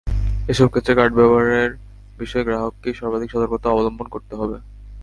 এসব ক্ষেত্রে কার্ড ব্যবহারের বিষয়ে গ্রাহককেই সর্বাধিক সতর্কতা অবলম্বন করতে হবে।